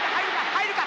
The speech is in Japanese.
入るか？